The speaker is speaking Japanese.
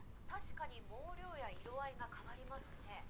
確かに毛量や色合いが変わりますね。